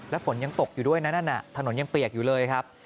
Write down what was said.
แล้วฝนยังตกอยู่ด้วยนั้นถนนยังเปียกอยู่เลยครับ